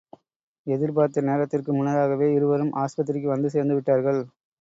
எதிர்பார்த்த நேரத்திற்கு முன்னதாகவே, இருவரும் ஆஸ்பத்திரிக்கு வந்து சேர்ந்துவிட்டார்கள்.